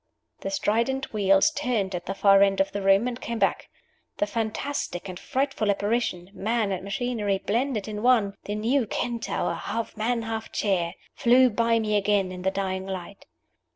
The strident wheels turned at the far end of the room and came back. The fantastic and frightful apparition, man and machinery blended in one the new Centaur, half man, half chair flew by me again in the dying light.